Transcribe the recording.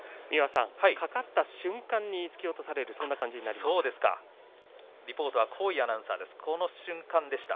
掛かった瞬間に突き落とされるそんな形になりました。